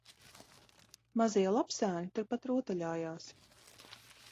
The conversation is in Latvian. Mazie lapsēni turpat rotaļājās